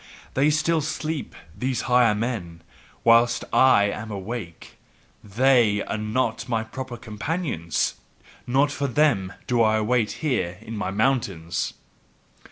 they still sleep, these higher men, whilst I am awake: THEY are not my proper companions! Not for them do I wait here in my mountains.